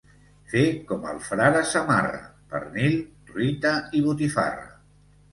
Fer com el frare Samarra: pernil, truita i botifarra.